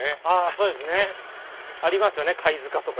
そうですねありますよね貝塚とか。